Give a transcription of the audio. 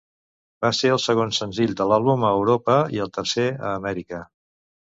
Va ser el segon senzill de l'àlbum a Europa, i el tercer a Amèrica.